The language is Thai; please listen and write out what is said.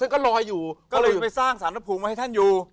ก็เลยไปสร้างศาลนภูมิมาให้ท่านอยู่